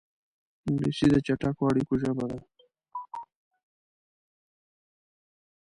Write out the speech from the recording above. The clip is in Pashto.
انګلیسي د چټکو اړیکو ژبه ده